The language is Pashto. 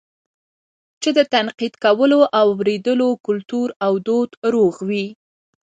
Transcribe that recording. چې د تنقيد کولو او اورېدلو کلتور او دود روغ وي